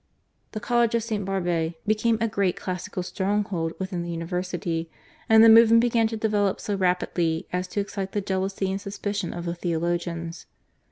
The College of St. Barbe became a great classical stronghold within the university, and the movement began to develop so rapidly as to excite the jealousy and suspicions of the theologians.